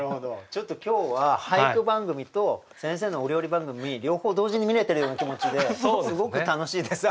ちょっと今日は俳句番組と先生のお料理番組両方同時に見れてるような気持ちですごく楽しいです。